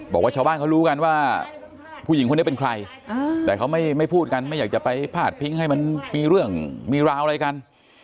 บอกว่าชาวบ้านเขารู้กันว่าผู้หญิงคนนี้เป็นใครแต่เขาไม่พูดกันไม่อยากจะไปพาดพิงให้มันมีเรื่องมีราวอะไรกัน